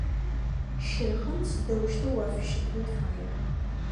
Щырхэм сыдэущтэу уафыщытын фая?